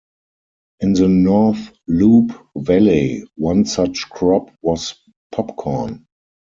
In the North Loup valley, one such crop was popcorn.